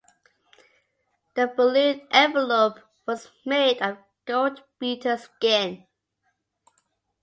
The balloon envelope was made of goldbeaters skin.